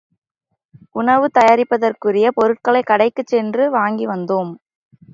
உணவு தயாரிப்பதற்குரிய பொருட்களைக் கடைக்குச் சென்று வாங்கி வந்தோம்.